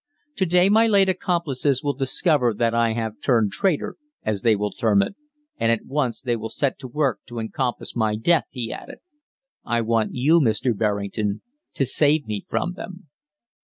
To day my late accomplices will discover that I have turned traitor, as they will term it, and at once they will set to work to encompass my death," he added. "I want you, Mr. Berrington, to save me from them."